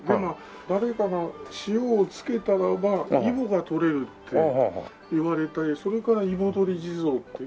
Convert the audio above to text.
誰かが塩を付けたらばいぼが取れるっていわれてそれからいぼ取り地蔵って。